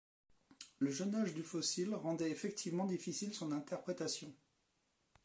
Le jeune âge du fossile rendait effectivement difficile son interprétation.